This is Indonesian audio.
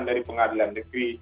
dari pengadilan negeri